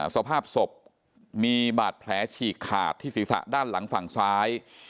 สภาพศพมีบาดแผลฉีกขาดที่ศีรษะด้านหลังฝั่งซ้าย